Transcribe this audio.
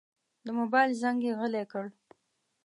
د موبایل زنګ یې غلی کړ.